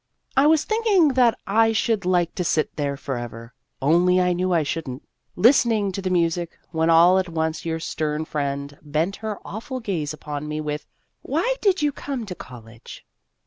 I was thinking that I should like to sit there forever only I knew I should n't listen 242 Vassar Studies ing to the music, when all at once your stern friend bent her awful gaze upon me with, " Why did you come to college